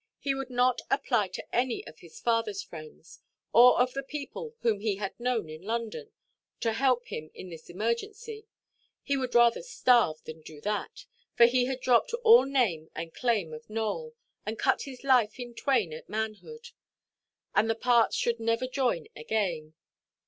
He would not apply to any of his fatherʼs friends, or of the people whom he had known in London, to help him in this emergency. He would rather starve than do that; for he had dropped all name and claim of Nowell, and cut his life in twain at manhood; and the parts should never join again.